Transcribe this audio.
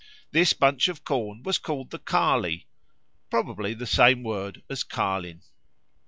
This bunch of corn was called the Carley probably the same word as Carlin.